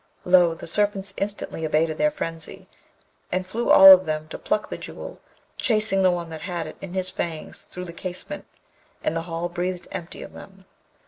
Lo! the Serpents instantly abated their frenzy, and flew all of them to pluck the Jewel, chasing the one that had it in his fangs through the casement, and the hall breathed empty of them.